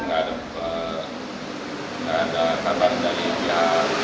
nggak ada kabar dari pihak juru pasukan kita itu nggak ada sama sekali